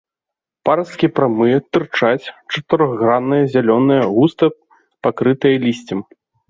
Парасткі прамыя, тырчаць, чатырохгранныя, зялёныя, густа пакрытыя лісцем.